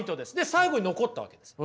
最後に残ったわけです。